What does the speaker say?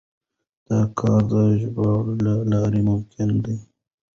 دا کار د ژباړې له لارې ممکن دی.